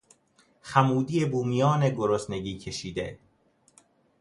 خمودی بومیان گرسنگی کشیده